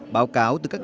báo cáo từ các điểm thi